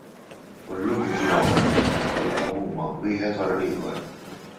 U llum jiġu hawn, kollha kemm huma, wieħed wara l-ieħor.